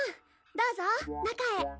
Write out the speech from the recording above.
どうぞ中へ。